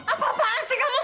apa apaan sih kamu buat